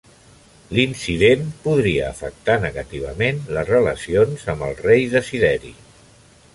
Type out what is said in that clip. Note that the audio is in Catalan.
L'incident podria afectar negativament les relacions amb el rei Desideri.